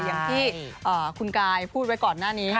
อย่างที่คุณกายพูดไว้ก่อนหน้านี้